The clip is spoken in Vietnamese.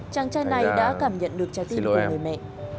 chàng trai này đã cảm nhận được trái tim của người mẹ